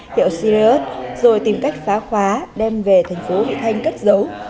hiệu sirius rồi tìm cách phá khóa đem về thành phố vị thanh cất giấu